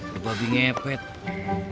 kal lui kepadu